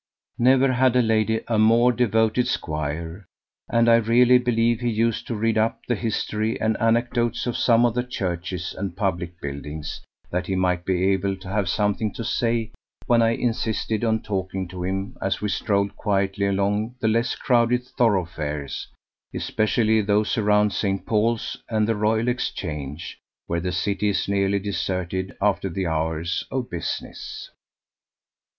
"Never had lady a more devoted squire; and I really believe he used to read up the history and anecdotes of some of the churches and public buildings, that he might be able to have something to say when I insisted on talking to him as we strolled quietly along in the less crowded thoroughfares especially those around St. Paul's and the Royal Exchange, where the city is nearly deserted after the hours of business."